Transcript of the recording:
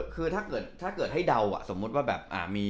คือถ้าเกิดให้เดาสมมุติว่าแบบมี